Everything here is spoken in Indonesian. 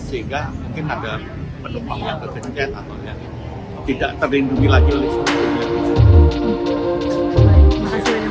sehingga mungkin ada pendukung yang tergencet atau tidak terlindungi lagi oleh suatu orang